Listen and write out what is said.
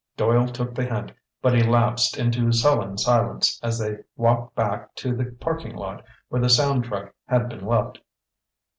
Doyle took the hint, but he lapsed into sullen silence as they walked back to the parking lot where the sound truck had been left.